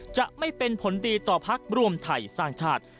จะไม่เป็นผลดีต่อพักรวมไทยสร้างชาติ